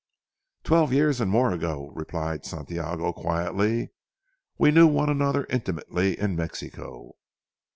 "Twelve years and more ago," replied Santiago quietly, "we knew one another intimately in Mexico."